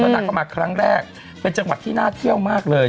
นางก็มาครั้งแรกเป็นจังหวัดที่น่าเที่ยวมากเลย